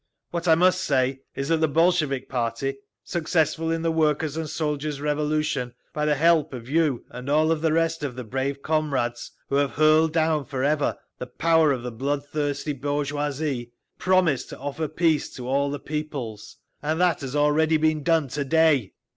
What I must say is that the Bolshevik party, successful in the Workers' and Soldiers' Revolution, by the help of you and of all the rest of the brave comrades who have hurled down forever the power of the blood thirsty bourgeoisie, promised to offer peace to all the peoples, and that has already been done—to day!"